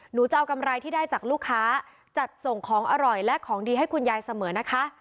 หนูจะเอากำไรที่ได้จากลูกค้าจัดส่งของอร่อยและของดีให้คุณยายเสมอนะคะ